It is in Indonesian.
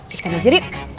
kita belajar yuk